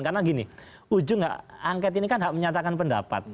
karena gini ujungnya angkat ini kan menyatakan pendapat